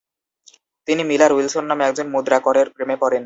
তিনি Miller Wilson নামে একজন মুদ্রাকরের প্রেমে পড়েন।